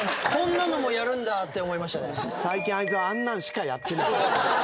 最近あいつはあんなんしかやってない。